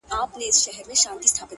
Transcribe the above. • هغې ويل ه نور دي هيڅ په کار نه لرم ـ